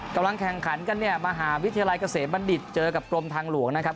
กำลังแข่งขันกันเนี่ยมหาวิทยาลัยเกษมบัณฑิตเจอกับกรมทางหลวงนะครับ